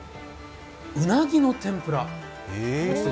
うなぎの天ぷら。